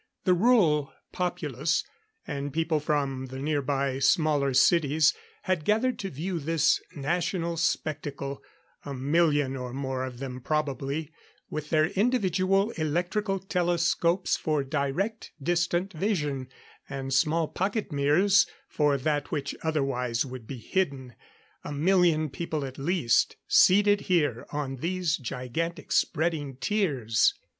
The rural populace, and people from the nearby smaller cities, had gathered to view this national spectacle a million or more of them probably, with their individual electrical telescopes for direct distant vision, and small pocket mirrors for that which otherwise would be hidden. A million people at least, seated here on these gigantic spreading tiers.